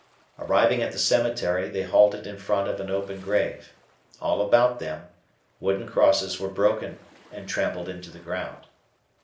Arriving at the cemetery, they halted in front of an open grave. All about them, wooden crosses were broken and trampled into the ground.